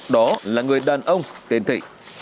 đó là người đàn ông tên thị